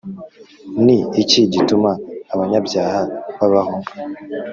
-“ni iki gituma abanyabyaha babaho